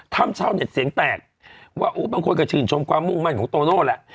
ชาวเน็ตเสียงแตกว่าบางคนก็ชื่นชมความมุ่งมั่นของโตโน่แหละ